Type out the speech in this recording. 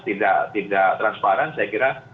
tidak transparan saya kira